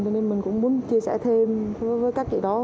nên mình cũng muốn chia sẻ thêm với các chị đó